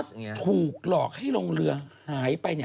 จากกว่าถูกหลอกให้ลงเรือหายไป๓๐ปี